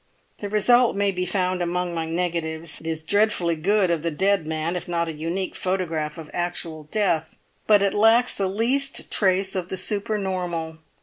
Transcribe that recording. The result may be found among my negatives. It is dreadfully good of the dead man, if not a unique photograph of actual death; but it lacks the least trace of the super normal.